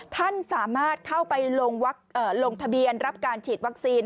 ท่านสามารถเข้าไปลงทะเบียนรับการฉีดวัคซีน